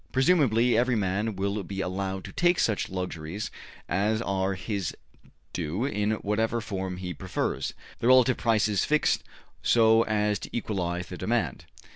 Presumably, every man will be allowed to take such luxuries as are his due in whatever form he prefers, the relative prices being fixed so as to equalize the demand.